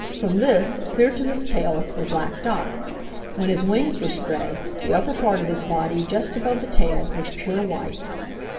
From this, clear to his tail, were black dots. When his wings were spread, the upper part of his body just above the tail was pure white.